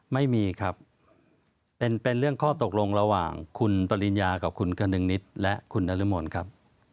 ไม่มีครับเป็นเรื่องข้อตกลงระหว่างคุณปริญญากับคุณกนึงนิดและคุณนรมนครับ